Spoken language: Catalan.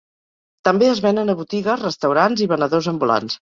També es venen a botigues, restaurants i venedors ambulants.